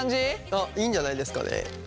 あっいいんじゃないですかね。